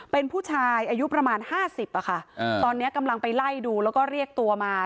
เป็นผู้ชายอายุประมาณ๕๐อะค่ะตอนนี้กำลังไปไล่ดูแล้วก็เรียกตัวมา